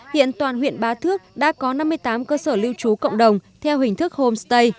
hiện toàn huyện bá thước đã có năm mươi tám cơ sở lưu trú cộng đồng theo hình thức homestay